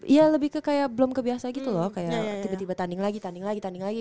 iya lebih kayak belum kebiasa gitu loh tiba tiba tanding lagi tanding lagi tanding lagi